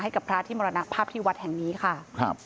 ให้กับพระอธิมรณภาพที่วัดแห่งนี้ค่ะ